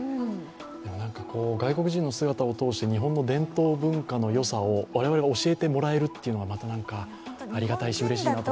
なんか外国人の姿を通して日本の伝統文化の良さを我々が教えてもらえるというのは、また何かありがたいし、嬉しいなと。